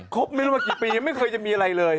ครบไม่ได้มากี่ปีไม่เคยจะมีอะไรเลย